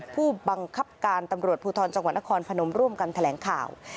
ผู้บังคับการตำรวจภูทรจังหวัดนครพนมร่วมกันแถลงข่าว